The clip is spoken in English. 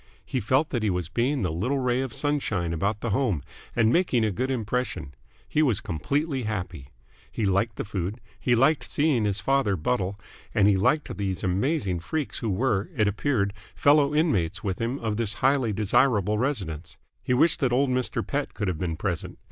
He felt that he was being the little ray of sunshine about the home and making a good impression. He was completely happy. He liked the food, he liked seeing his father buttle, and he liked these amazing freaks who were, it appeared, fellow inmates with him of this highly desirable residence. He wished that old Mr. Pett could have been present.